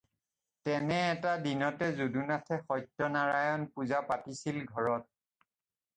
তেনে এটা দিনতে যদুনাথে সত্যনাৰয়ন পূজা পাতিছিল ঘৰত।